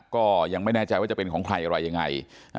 ก็ยังไม่แน่ใจว่าจะเป็นของใครอะไรยังไง